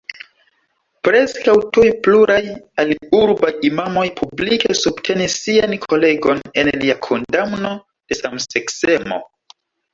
Preskaŭ tuj pluraj aliurbaj imamoj publike subtenis sian kolegon en lia kondamno de samseksemo.